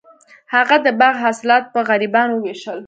هغه د باغ حاصلات په غریبانو وویشل.